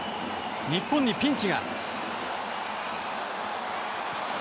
日本にピンチが。